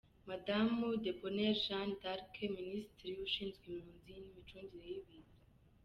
Madamu Debonheur Jeanne d’Arc, Minisitiri ushinzwe Impunzi n’Imicungire y‘Ibiza.